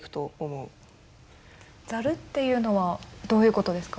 ザルっていうのはどういうことですか？